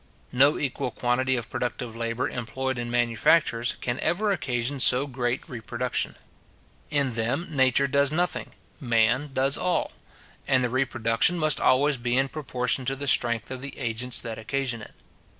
No equal quantity of productive labour employed in manufactures, can ever occasion so great reproduction. In them Nature does nothing; man does all; and the reproduction must always be in proportion to the strength of the agents that occasion it.